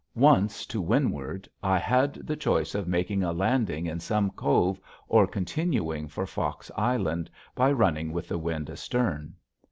Once to windward I had the choice of making a landing in some cove or continuing for Fox Island by running with the wind astern.